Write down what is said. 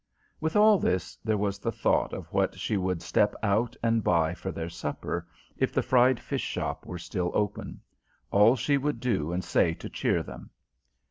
With all this, there was the thought of what she would step out and buy for their supper, if the fried fish shop were still open; all she would do and say to cheer them.